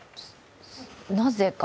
なぜか？